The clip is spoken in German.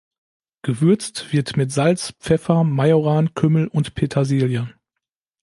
Gewürzt wird mit Salz, Pfeffer, Majoran, Kümmel und Petersilie.